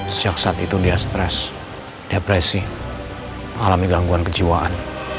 sejak saat itu dia stres depresi alami gangguan kejiwaan